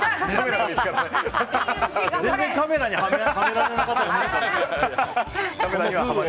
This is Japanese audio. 全然カメラにはめられなかったから無理かも。